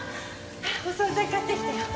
お総菜買ってきたよ。